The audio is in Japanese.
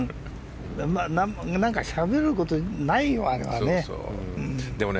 何かしゃべることないよあれはね。